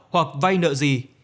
hoặc vay nợ gì